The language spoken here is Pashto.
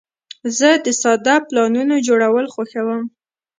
زه د ساده پلانونو جوړول خوښوم.